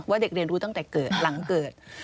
ว่าเด็กเล็กรู้ตั้งแต่เกิดหลังเกิด